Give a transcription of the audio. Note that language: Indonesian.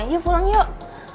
yuk pulang yuk